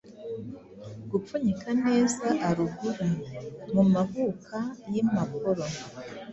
Gupfunyika neza Arugula mumahuka yimpapuro